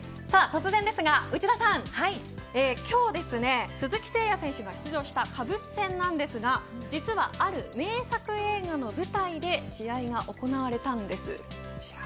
突然ですが内田さん、今日、鈴木誠也選手が出場したカブス戦ですが実はある名作映画の舞台で、試合が行われたんです。